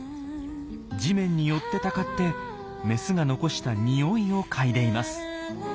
地面に寄ってたかってメスが残した匂いを嗅いでいます。